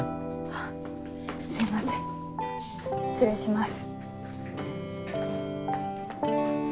あすみません失礼します。